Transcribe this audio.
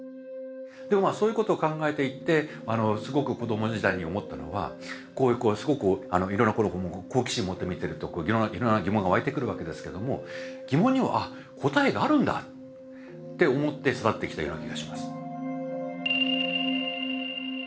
でもまあそういうことを考えていってすごく子ども時代に思ったのはこういうすごくいろんなところを好奇心持って見てるといろんな疑問が湧いてくるわけですけども疑問にはああ答えがあるんだって思って育ってきたような気がします。